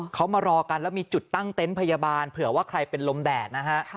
เขามารอกันแล้วมีจุดตั้งเต็นต์พยาบาลเผื่อว่าใครเป็นลมแดดนะฮะ